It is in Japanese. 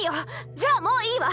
じゃあもういいわ。